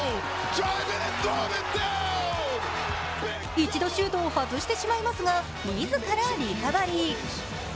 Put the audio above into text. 一度シュートを外してしまいますが、自らリカバリー。